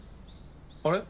あれ？